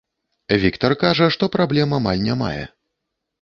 Віктар кажа, што праблем амаль не мае.